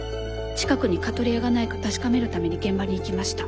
近くにカトレアがないか確かめるために現場に行きました。